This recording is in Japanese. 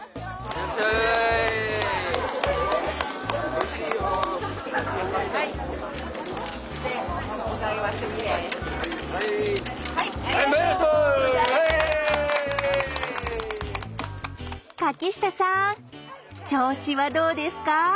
柿下さん調子はどうですか？